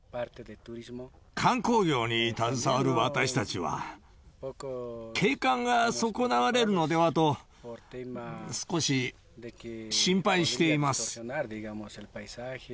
観光業に携わる私たちは、景観が損なわれるのではと少し心配しています。